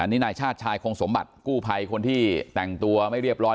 นี่นายชาติชายคงสมบัติกู้ภัยคนที่แต่งตัวไม่เรียบร้อย